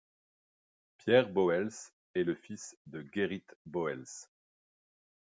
Pierre Boels est le fils de Gerrit Boels.